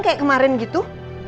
kayak kemarin gitu